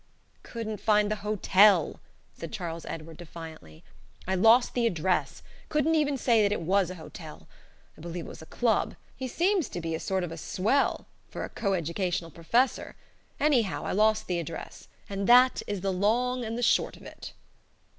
"Couldn't find the hotel," said Charles Edward, defiantly. "I lost the address. Couldn't even say that it was a hotel. I believe it was a club. He seems to be a sort of a swell for a coeducational professor anyhow, I lost the address; and that is the long and short of it."